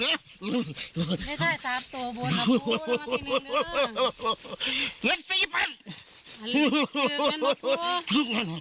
ผู้สเรของไม่ได้